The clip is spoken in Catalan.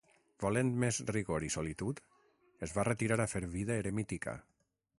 Volent més rigor i solitud, es va retirar a fer vida eremítica.